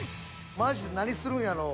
マジで何するんやろう。